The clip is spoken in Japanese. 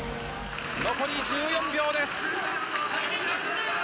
残り１４秒です。